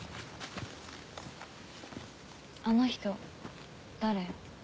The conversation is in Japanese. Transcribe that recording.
あの人誰？